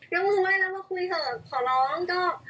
แล้วก็คุยเถอะขอร้องก็